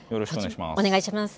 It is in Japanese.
お願いします。